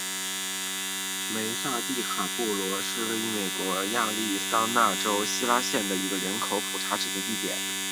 梅萨迪卡布洛是位于美国亚利桑那州希拉县的一个人口普查指定地区。